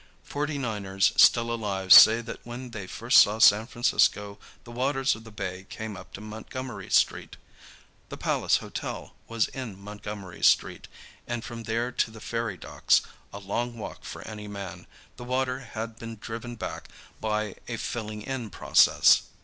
Forty niners still alive say that when they first saw San Francisco the waters of the bay came up to Montgomery Street. The Palace Hotel was in Montgomery Street, and from there to the ferry docks a long walk for any man the water had been driven back by a "filling in" process.